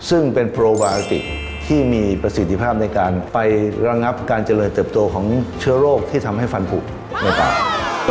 ซึ่งเป็นโปรวาติที่มีประสิทธิภาพในการไประงับการเจริญเติบโตของเชื้อโรคที่ทำให้ฟันผูกในป่า